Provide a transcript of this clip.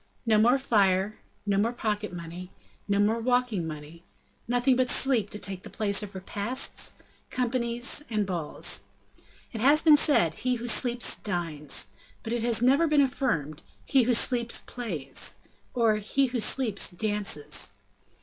No more fire, no more pocket money, no more walking money, nothing but sleep to take the place of repasts, companies and balls. It has been said "He who sleeps, dines;" but it has never been affirmed He who sleeps, plays or, He who sleeps, dances.